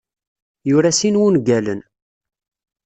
Yura sin wungalen.